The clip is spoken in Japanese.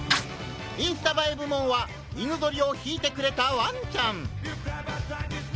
「インスタ映え部門」は犬ぞりを引いてくれたわんちゃん！